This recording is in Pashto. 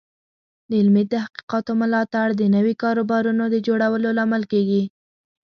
د علمي تحقیقاتو ملاتړ د نوي کاروبارونو د جوړولو لامل کیږي.